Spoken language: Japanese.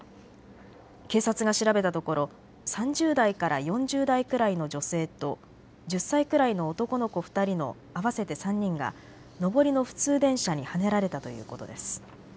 警察が調べたところ３０代から４０代くらいの女性と１０歳くらいの男の子２人の合わせて３人が上りの普通電車にはねられたということです。